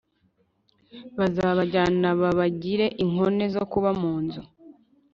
bazabajyana babagire inkone zo kuba mu nzu